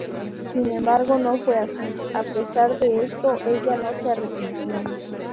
Sin embargo no fue así, a pesar de esto, ella no se arrepintió.